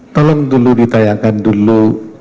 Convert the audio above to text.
tolong dulu ditayangkan dulu